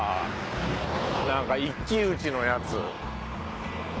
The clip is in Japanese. なんか一騎打ちのやつ。